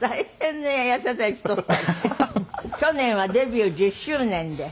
去年はデビュー１０周年で。